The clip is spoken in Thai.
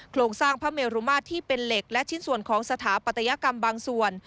โครงสร้างพระเมรุมาตรที่เป็นเหล็กและชิ้นส่วนของสถาปัตยกรรมบางส่วน